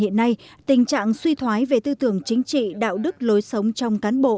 hiện nay tình trạng suy thoái về tư tưởng chính trị đạo đức lối sống trong cán bộ